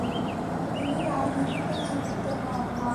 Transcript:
তিনি রাজনীতিতে যুক্ত হন।